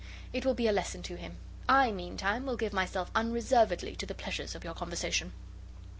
It will be a lesson to him. I, meantime, will give myself unreservedly to the pleasures of your conversation.